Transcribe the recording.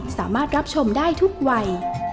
สามารถรับชมได้ทุกวัย